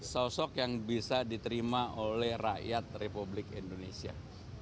sosok yang bisa diterima oleh rakyat republik indonesia